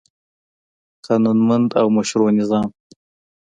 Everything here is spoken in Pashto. قانونمند او مشروع نظام